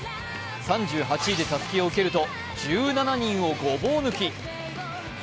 ３８位でたすきを受けると１７人をごぼう抜き。